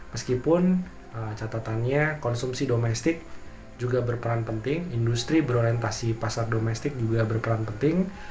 meskipun catatannya konsumsi domestik juga berperan penting industri berorientasi pasar domestik juga berperan penting